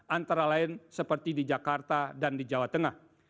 antara lain seperti di jakarta dan di jawa tengah